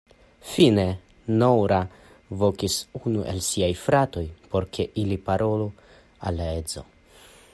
Fine, Noura vokis unu el siaj fratoj, por ke li parolu al la edzo.